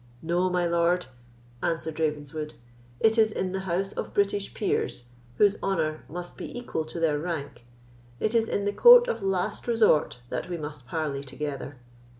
"No, my lord," answered Ravenswood; "it is in the House of British Peers, whose honour must be equal to their rank—it is in the court of last resort that we must parley together.